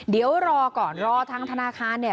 เดี๋ยวรอก่อนรอทางธนาคารเนี่ย